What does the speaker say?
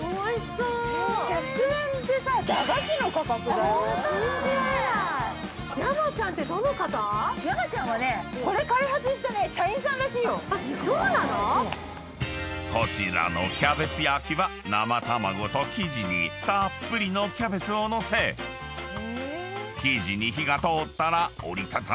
そうなの⁉［こちらのキャベツ焼は生卵と生地にたっぷりのキャベツを載せ生地に火が通ったら折り畳んで］